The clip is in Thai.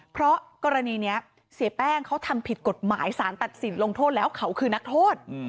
เพราะกรณีนี้เสียแป้งเขาทำผิดกฎหมายสารตัดสินลงโทษแล้วเขาคือนักโทษ